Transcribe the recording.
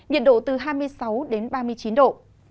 nhiệt độ từ hai mươi sáu đến ba mươi chín độ